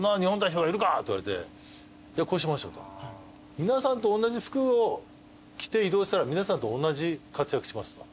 皆さんとおんなじ服を着て移動したら皆さんとおんなじ活躍しますと。